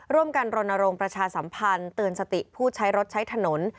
รณรงค์ประชาสัมพันธ์เตือนสติผู้ใช้รถใช้ถนน